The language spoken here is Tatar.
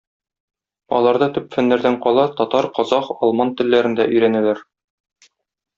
Аларда төп фәннәрдән кала татар, казах, алман телләрен дә өйрәнәләр.